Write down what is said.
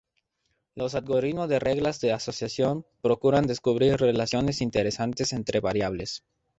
Los algoritmo de reglas de asociación procuran descubrir relaciones interesantes entre variables.